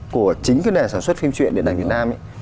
của chính cái nền sản xuất phim truyện điện ảnh việt nam